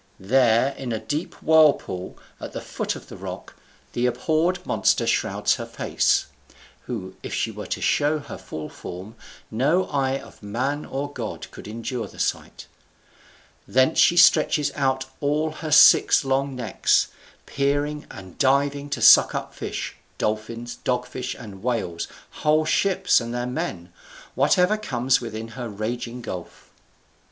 There in a deep whirlpool at the foot of the rock the abhorred monster shrouds her face; who if she were to show her full form, no eye of man or god could endure the sight: thence she stretches out all her six long necks, peering and diving to suck up fish, dolphins, dog fish, and whales, whole ships, and their men, whatever comes within her raging gulf.